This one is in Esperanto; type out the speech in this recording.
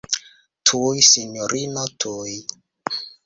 Tuj, sinjorino, tuj.